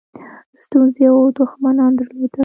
ستونزې او دښمنان درلودل.